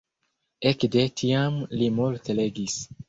Ekde tiam li multe legis.